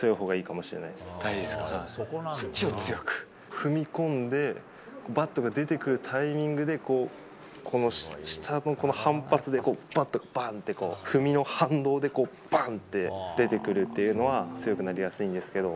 踏み込んで、バットが出てくるタイミングで、こう、この下の反発で、バットがばんと、踏みの反動で、ばんって出てくるというのは強くなりやすいんですけれども。